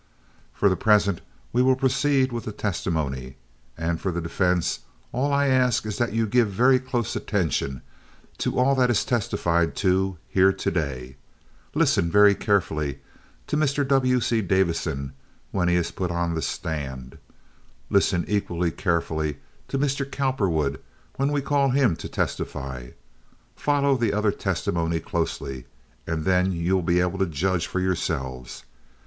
For the present we will proceed with the testimony, and for the defense all I ask is that you give very close attention to all that is testified to here to day. Listen very carefully to Mr. W. C. Davison when he is put on the stand. Listen equally carefully to Mr. Cowperwood when we call him to testify. Follow the other testimony closely, and then you will be able to judge for yourselves.